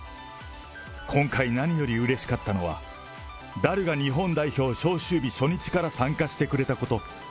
今回何よりうれしかったのは、ダルが日本代表招集日初日から参加してくれたこと。